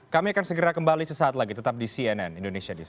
kami akan segera kembali sesaat lagi tetap di cnn indonesia news